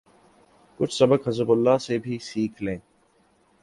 کچھ سبق حزب اللہ سے بھی سیکھ لیں۔